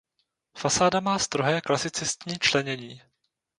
Fasáda má strohé klasicistní členění.